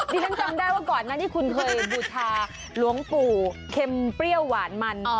ฉันจำได้ว่าก่อนนั้นที่คุณเคยบูชาหลวงปู่เข็มเปรี้ยวหวานมัน